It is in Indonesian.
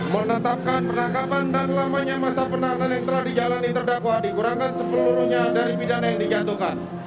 menetapkan penangkapan dan lamanya masa penahanan yang telah dijalani terdakwa dikurangkan sepeluruhnya dari pidana yang dijatuhkan